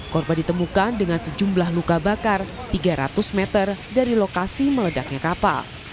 korban ditemukan dengan sejumlah luka bakar tiga ratus meter dari lokasi meledaknya kapal